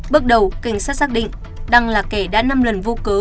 bước đầu cảnh sát xác định đăng là kẻ đã năm lần vô cớ